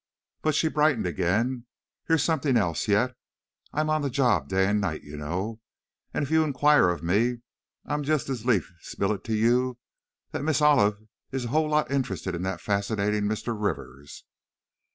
But," she brightened again, "here's something else yet! I'm on the job day and night, you know, and, if you inquire of me, I'd just as lief spill it to you, that Miss Olive is a whole lot interested in that fascinating Mr. Rivers!"